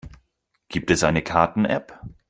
Gibt es eine Karten-App?